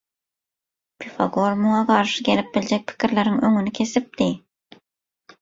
Pifagor muňa garşy gelip biljek pikirleriň öňüni kesipdi.